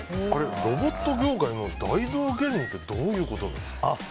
ロボット業界の大道芸人ってどういうことですか？